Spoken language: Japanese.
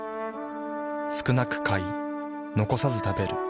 少なく買い残さず食べる。